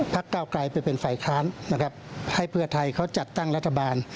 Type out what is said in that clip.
เก้าไกลไปเป็นฝ่ายค้านนะครับให้เพื่อไทยเขาจัดตั้งรัฐบาล